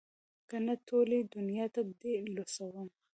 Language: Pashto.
که نه ټولې دونيا ته دې لوڅوم.